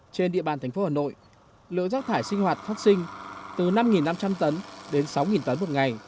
trên địa bàn thành phố hà nội lượng rác thải sinh hoạt phát sinh từ năm năm trăm linh tấn đến sáu tấn một ngày